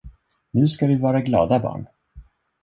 Nu ska vi vara glada barn!